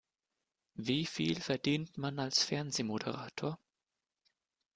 Wie viel verdient man als Fernsehmoderator?